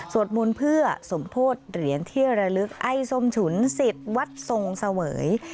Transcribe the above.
มนต์เพื่อสมโพธิเหรียญที่ระลึกไอ้ส้มฉุนสิทธิ์วัดทรงเสวย